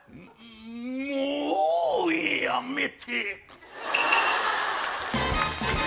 んもうやめて！